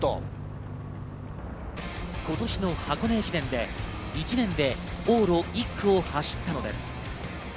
今年の箱根駅伝で１年で往路１区を走ったのです。